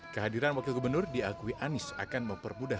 kehadiran wakil gubernur diakui anies akan mempermudah